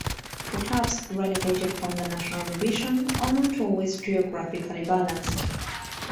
The clubs relegated from the national division are not always geographically balanced.